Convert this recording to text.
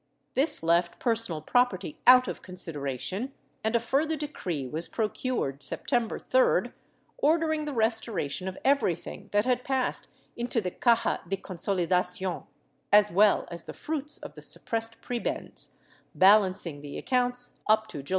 This left personal property out of consideration and a further decree was procured, September 3d, ordering the restoration of everything that had passed into the Caja de Consolidacion, as well as the fruits of the suppressed prebends, balancing the accounts up to » Archive de Simancas, Inq.